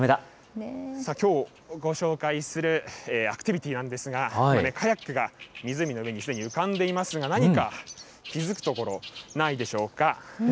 きょうご紹介するアクティビティーなんですが、ここでカヤックが湖の上にすでに浮かんでいますが、何か気付くところ、ないでしょうか。